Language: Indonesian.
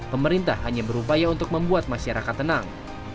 pemerintah hanya berupaya untuk membuat masyarakat tenang